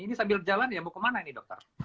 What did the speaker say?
ini sambil jalan ya mau kemana ini dokter